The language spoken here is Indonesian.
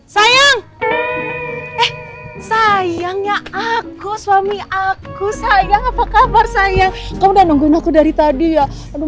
sayang sayangnya aku suami aku sayang apa kabar sayang kamu udah nungguin aku dari tadi ya aduh